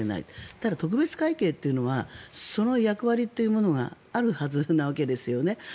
ただ、特別会計というのはその役割というものがあるはずなわけですよね。